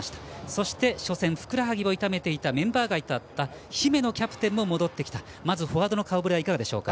そして、初戦ふくらはぎを痛めていたメンバー外だった姫野キャプテンも戻ってきた、まずフォワードの顔ぶれはいかがでしょうか。